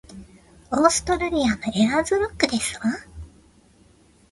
オーストラリアのエアーズロックですわ